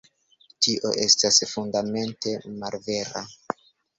Tio estas fundamente malvera.